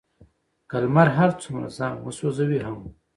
که لمر هر څومره ځان وسوزوي هم،